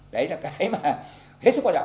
đấy là cái mà hết sức quan trọng